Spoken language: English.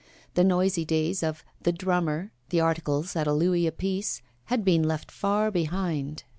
The noisy days of 'The Drummer,' the articles at a louis apiece, had been left far behind.